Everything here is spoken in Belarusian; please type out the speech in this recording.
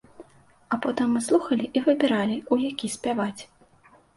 А потым мы слухалі і выбіралі, у які спяваць.